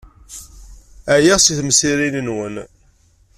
Ɛyiɣ seg temsirin-nwen.